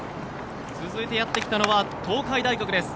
続いてやってきたのは東海大学です。